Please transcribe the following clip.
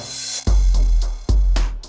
terus gue harus gimana gita